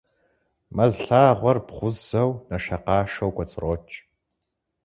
Мэз лъагъуэр бгъузэу, нэшэкъашэу кӀуэцӀрокӀ.